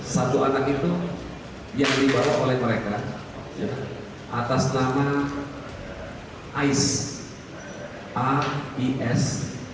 satu anak itu yang dibawa oleh mereka atas nama ais ais